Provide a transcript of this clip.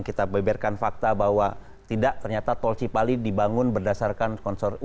kita beberkan fakta bahwa tidak ternyata tol cipali dibangun berdasarkan konsor utang dari pembangunan